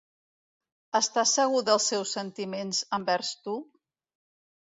Estàs segur dels seus sentiments envers tu?